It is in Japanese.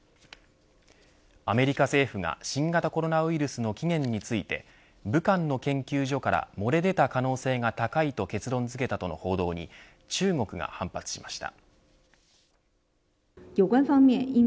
アメリカ政府が新型コロナウイルスの起源について武漢の研究所から漏れ出た可能性が高いと結論づけたとの報道に中国が反発しました。